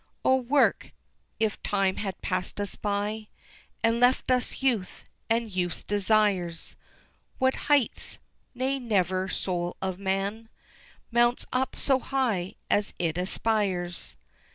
O work! if time had passed us by And left us youth, and youth's desires, What heights nay never soul of man Mounts up so high as it aspires.